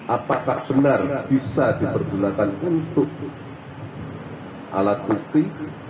apakah benar bisa dipergunakan untuk alat bukti